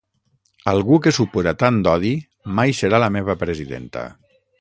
Algú que supura tant odi mai serà la meva presidenta.